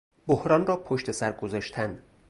بحران را پشت سر گذاشتن